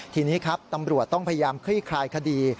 ทีนี้ครับตำรวจต้องพยายามคลี่คลายคดี